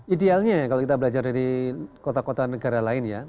idealnya kalau kita belajar dari kota kota negara lain ya